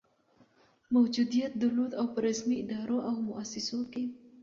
موجودیت درلود، او په رسمي ادارو او مؤسسو کي